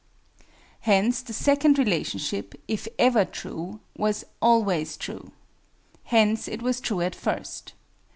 Hence the second relationship, if ever true, was always true. Hence it was true at first.